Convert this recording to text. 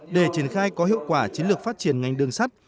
để triển khai có hiệu quả chiến lược phát triển ngành đường sắt